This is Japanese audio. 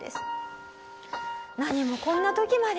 何もこんな時まで。